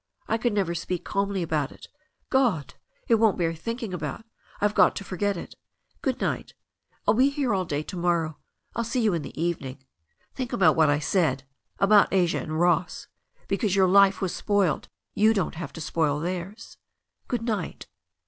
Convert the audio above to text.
I could never speak calmly about it. God! it won't bear thinking abouf— I've got to forget it. Good night. I'll be here all day to morrow; I'll see you in the evening. Think abotxt 342 THE STORY OF A NEW ZEALAND KIVEB what I said, about Asia and Ross — ^because your life was spoiled you don't have to spoil theirs. Good night."